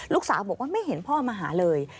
ลูกสาวบอกว่าไม่เห็นพ่อมาหาเลย